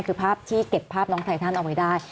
คือภาพที่เก็บภาพน้องไททันเอาไว้ได้